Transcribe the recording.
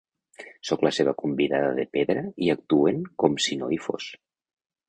Sóc la seva convidada de pedra i actuen com si no hi fos.